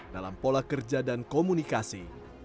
dalam pola kerja dan komunikasi